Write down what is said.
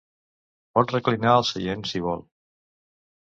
Pot reclinar el seient, si vol.